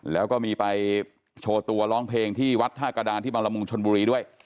แล้วก็มีไปโชว์ตัวร้องเพลงที่วัดท่ากระดานที่บังละมุงชนบุรีด้วย